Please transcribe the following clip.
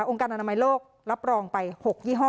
การอนามัยโลกรับรองไป๖ยี่ห้อ